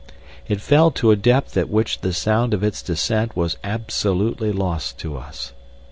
It fell to a depth at which the sound of its descent was absolutely lost to us.